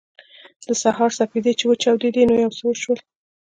د سهار سپېدې چې وچاودېدې نو یو څه وشول